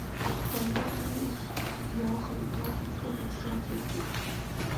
坊间真的有很多不错的书可以读